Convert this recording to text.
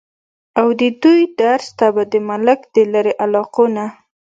اود دوي درس ته به د ملک د لرې علاقو نه